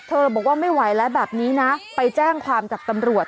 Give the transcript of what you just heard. บอกว่าไม่ไหวแล้วแบบนี้นะไปแจ้งความจากตำรวจ